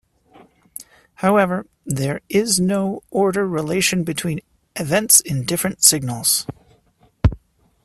However, there is no order relation between events in different signals.